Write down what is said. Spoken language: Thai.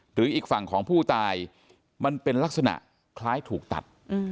หรืออีกฝั่งของผู้ตายมันเป็นลักษณะคล้ายถูกตัด